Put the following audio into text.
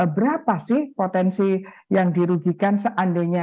berapa sih potensi yang dirugikan seandainya